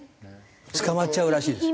捕まっちゃうらしいです。